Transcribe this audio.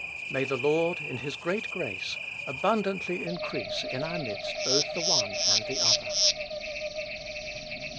May the Lord, in his great grace, abundantly increase in our midst both the one and the other.